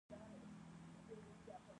ځکه واک یې په همدې پولو تړلی دی.